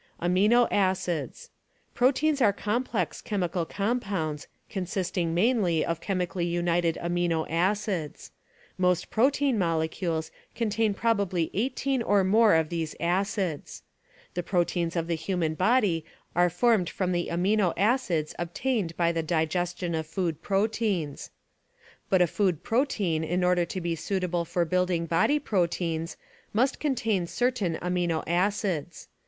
Amino Acids — Proteins are complex chemical compounds consist ing mainly of chemically united amino acids; most protein molecules contain probably eighteen or more of these acids. The proteins of the human body are formed from the amino acids obtained by the digestion of food proteins. But a food protein in order to he suitable for building body proteins, must contain certain amino acids.